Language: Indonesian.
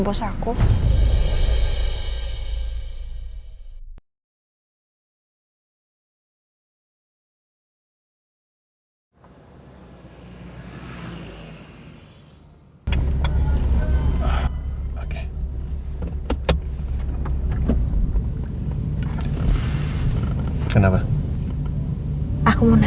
bisa kutip di backetes nah an skip ini